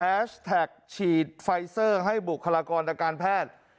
แท็กฉีดไฟเซอร์ให้บุคลากรทางการแพทย์